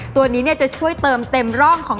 ตัวนี้เนี่ยจะช่วยเตร่องของ